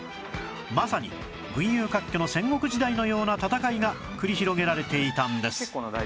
まさに群雄割拠の戦国時代のような戦いが繰り広げられていたんです